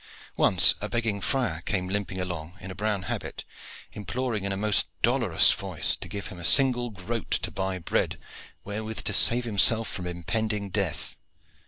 Once a begging friar came limping along in a brown habit, imploring in a most dolorous voice to give him a single groat to buy bread wherewith to save himself from impending death.